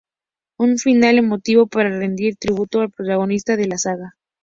Un final emotivo para rendir tributo al protagonista de la saga.